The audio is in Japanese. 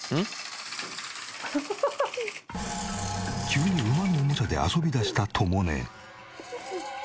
急に馬のおもちゃで遊び出したとも姉。